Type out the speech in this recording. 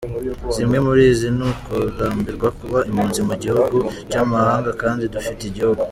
Zimwe muri zi ni ukurambirwa kuba impunzi mu gihugu cy’amahanga kandi dufite igihugu.